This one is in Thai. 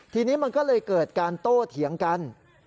ทีนี้มันก็เลยเกิดการโต้เถียงกัน